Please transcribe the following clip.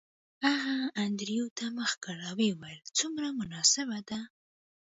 هغه انډریو ته مخ کړ او ویې ویل څومره مناسبه ده